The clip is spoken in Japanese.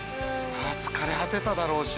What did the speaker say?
疲れ果てただろうし。